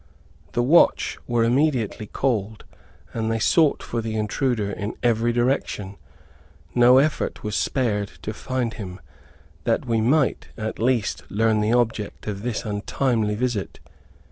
The watch were immediately called, and they sought for the intruder in every direction. No effort was spared to find him, that we might, at least, learn the object of this untimely visit.